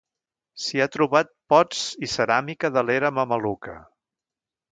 S'hi ha trobat pots i ceràmica de l'era mameluca.